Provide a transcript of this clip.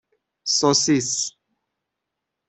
سوسیس